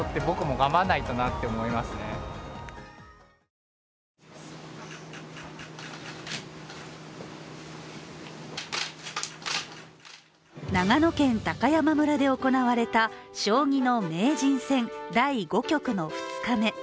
偉業達成に街では長野県高山村で行われた将棋の名人戦第５局の２日目。